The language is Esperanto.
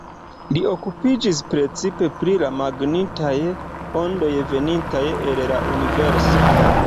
Li okupiĝis precipe pri la magnetaj ondoj venintaj el la universo.